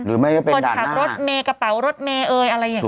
หรือไม่ได้เป็นดันนะครับถูกต้องบุคคลขับรถเมล์กระเป๋ารถเมล์เอ๋ยอะไรอย่างนี้